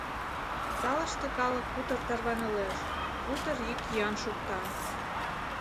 Залыште калык утыр тарванылеш, утыр йӱк-йӱан шокта.